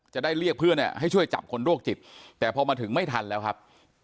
จะได้เรียกเพื่อนให้ช่วยจับคนโรคจิตแต่พอมาถึงไม่ทันแล้วครับ